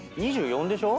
２４でしょ？